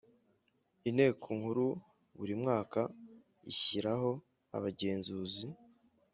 Inteko nkuru buri mwaka ishyiraho abagenzuzi